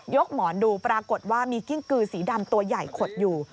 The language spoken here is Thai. หมอนดูปรากฏว่ามีกิ้งกือสีดำตัวใหญ่ขดอยู่